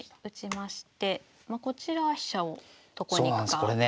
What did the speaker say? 打ちましてこちらは飛車をどこに行くか。